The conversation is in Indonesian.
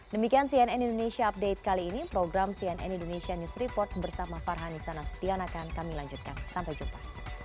demikian cnn indonesia update kali ini program cnn indonesia news report bersama farhani sana sutionakan kami lanjutkan sampai jumpa